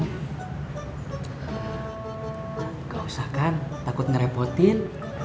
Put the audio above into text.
gak usah kan takut ngerepotin